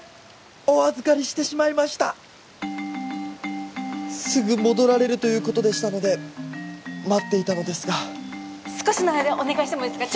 お預かりしてしまいましたすぐ戻られるということでしたので待っていたのですが少しの間お願いしてもいいですか